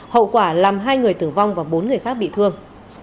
hậu quả làm hai người tử vong và bốn người khác bị thương